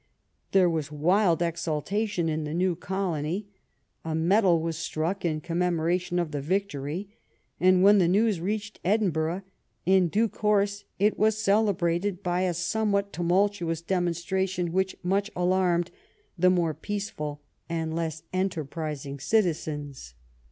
There was wild exultation in the new colony, a medal was struck in commemoration of the yictory, and when the news reached Edinburgh, in due course, it was cele brated by a somewhat tumultuous demonstration which much alarmed the more peaceful and less enterprising citizens.